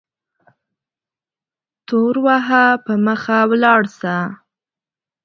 تور وهه په مخه ولاړ سه